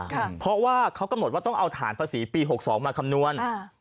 เพราะว่าเขากำหนดว่าต้องเอาฐานภาษีปีหกสองมาคำนวณ